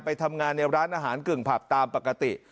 ไปทำงานในร้านอาหารกึ่งผับตามปกติ